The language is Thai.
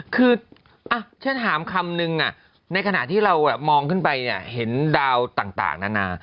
คือฉันถามคำนึงในขณะที่เรามองขึ้นไปเนี่ยเห็นดาวต่างนานา